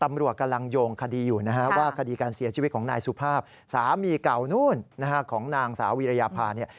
ตำรวจกำลังโยงคดีอยู่นะฮะว่าคดีการเสียชีวิตของนายสุภาพสามีเก่านู่นของนางสาววิรยาภาเนี่ย